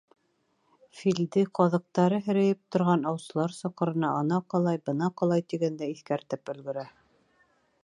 Филде, ҡаҙыҡтары һерәйеп торған аусылар соҡорона ана ҡолай, была ҡолай тигәндә, иҫкәртеп өлгөрә.